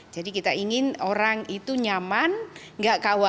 jadi kita bisa mengambil yang lebih besar